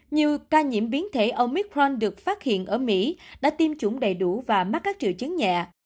như ca nhiễm biến thể omicron được phát hiện ở mỹ đã tiêm chủng đầy đủ và mắc các triệu chứng nhẹ